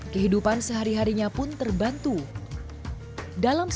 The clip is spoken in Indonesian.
kehidupan sehari harinya pun terbantu